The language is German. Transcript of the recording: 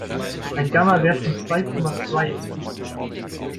Ein Gamma-Wert von zwei Komma zwei ist üblich.